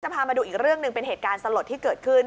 พามาดูอีกเรื่องหนึ่งเป็นเหตุการณ์สลดที่เกิดขึ้น